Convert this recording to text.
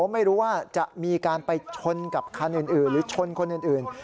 ไม่รู้ว่าจะมีการไปชนกับคันอื่นหรือชนคนอื่น